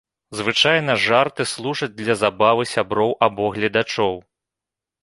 Звычайна жарты служаць для забавы сяброў або гледачоў.